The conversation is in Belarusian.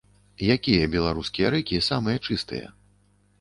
Якія беларускія рэкі самыя чыстыя?